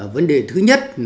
vấn đề thứ nhất